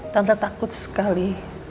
tante takut sekali